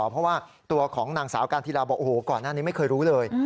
เพราะว่าตัวของนางสาวการธิราบอกโอ้โหก่อนหน้านี้ไม่เคยรู้เลย